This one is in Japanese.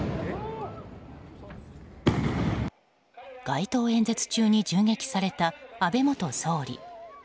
街頭演説中に銃撃された安倍元総理。